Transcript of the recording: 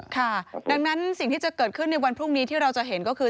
ค่ะดังนั้นสิ่งที่จะเกิดขึ้นในวันพรุ่งนี้ที่เราจะเห็นก็คือ